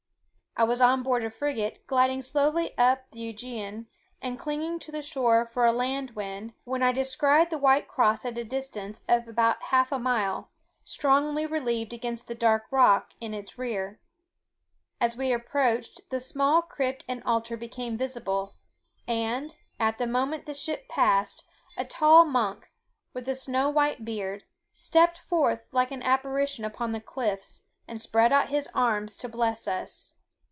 I was on board a frigate, gliding slowly up the Ægean, and clinging to the shore for a land wind, when I descried the white cross at a distance of about half a mile, strongly relieved against the dark rock in its rear. As we approached, the small crypt and altar became visible; and, at the moment the ship passed, a tall monk, with a snow white beard, stepped forth like an apparition upon the cliffs, and spread out his arms to bless us.